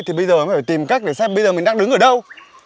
thì bây giờ mới phải tìm cách để xem bây giờ mình đang đứng ở đâu